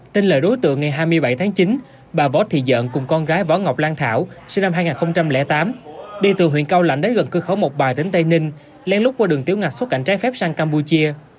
tin lời đối tượng ngày hai mươi bảy tháng chín bà võ thị dận cùng con gái võ ngọc lan thảo sinh năm hai nghìn tám đi từ huyện cao lãnh đến gần cơ khẩu một bài tỉnh tây ninh lén lút qua đường tiếc xuất cảnh trái phép sang campuchia